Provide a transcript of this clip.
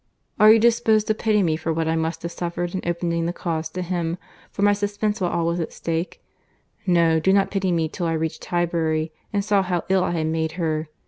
—Are you disposed to pity me for what I must have suffered in opening the cause to him, for my suspense while all was at stake?—No; do not pity me till I reached Highbury, and saw how ill I had made her.